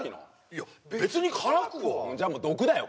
いや別に辛くはじゃもう毒だよ